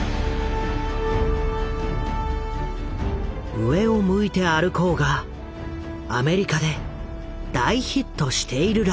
「上を向いて歩こう」がアメリカで大ヒットしているらしい。